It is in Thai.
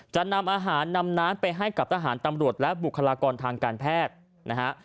จะนำอาหารนำน้ำไปให้กับทหารตำรวจและบุคลากรทางการแพทย์นะฮะ